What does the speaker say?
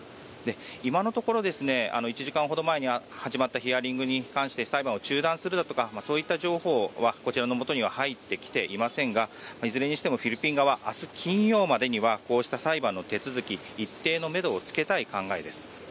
今のところ１時間ほど前に始まったヒアリングに関して裁判を中断するだとかそういった情報はこちらのもとには入ってきていませんがいずれにしてもフィリピン側明日金曜日までにはこうした裁判の手続きに一定のめどをつけたい考えです。